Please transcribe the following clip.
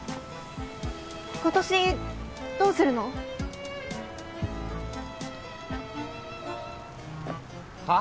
今年どうするの？は？